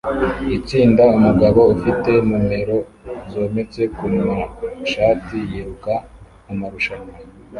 Itsinda umugabo ufite numero zometse kumashati yiruka mumarushanwa